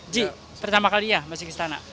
ji pertama kali ya masih ke istana